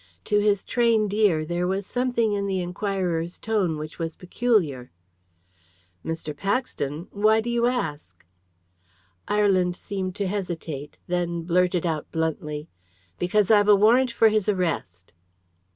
To his trained ear there was something in the inquirer's tone which was peculiar. "Mr. Paxton! Why do you ask?" Ireland seemed to hesitate. Then blurted out bluntly "Because I've a warrant for his arrest."